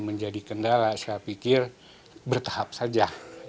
gendera saya pikir bertahap saja